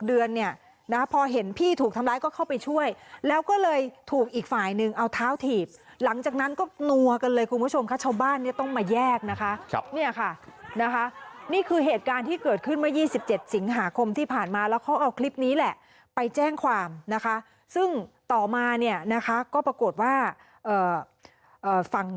เดือนเนี่ยนะพอเห็นพี่ถูกทำร้ายก็เข้าไปช่วยแล้วก็เลยถูกอีกฝ่ายนึงเอาเท้าถีบหลังจากนั้นก็นัวกันเลยคุณผู้ชมค่ะชาวบ้านเนี่ยต้องมาแยกนะคะเนี่ยค่ะนะคะนี่คือเหตุการณ์ที่เกิดขึ้นเมื่อ๒๗สิงหาคมที่ผ่านมาแล้วเขาเอาคลิปนี้แหละไปแจ้งความนะคะซึ่งต่อมาเนี่ยนะคะก็ปรากฏว่าฝั่ง